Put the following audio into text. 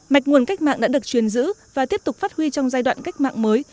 mạch nguồn cách mạng đã được truyền giữ và tiếp tục phát huy trong giai đoạn cách mạng mới